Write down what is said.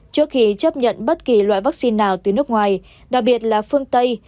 trước khi chấp nhận bất kỳ loại vaccine nào từ nước ngoài đặc biệt là phương tây